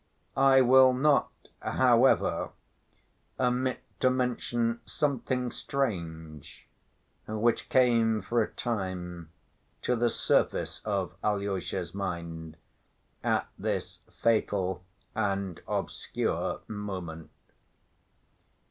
I will not, however, omit to mention something strange, which came for a time to the surface of Alyosha's mind at this fatal and obscure moment.